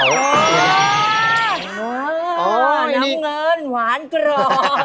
น้ำเงินหวานกรอบ